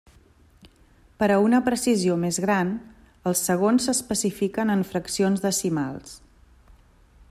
Per a una precisió més gran els segons s'especifiquen en fraccions decimals.